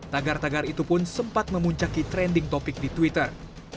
tagar tagar itu pun sempat memuncaki trending topic di twitter